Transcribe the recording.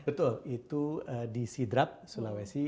betul itu di sidrap sulawesi